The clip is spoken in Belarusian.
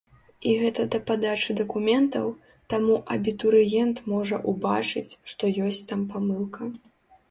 І гэта да падачы дакументаў, таму абітурыент можа ўбачыць, што ёсць там памылка.